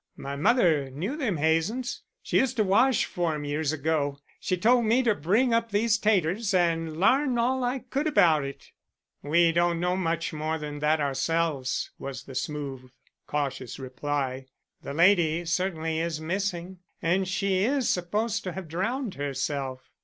My mother knew them Hazens; used to wash for 'em years ago. She told me to bring up these taters and larn all I could about it." "We don't know much more than that ourselves," was the smooth and cautious reply. "The lady certainly is missing, and she is supposed to have drowned herself."